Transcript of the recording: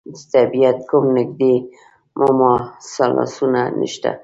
د طبعیت کوم نږدې مماثلاتونه نشته.